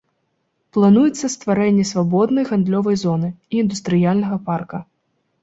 Плануецца стварэнне свабоднай гандлёвай зоны і індустрыяльнага парка.